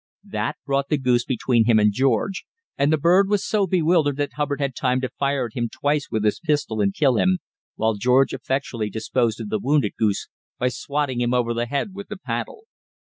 That brought the goose between him and George, and the bird was so bewildered that Hubbard had time to fire at him twice with his pistol and kill him, while George effectually disposed of the wounded goose by swatting him over the head with the paddle.